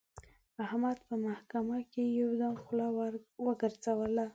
احمد په محکمه کې یو دم خوله وګرځوله.